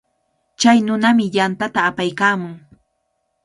Chay nunami yantata apaykaamun.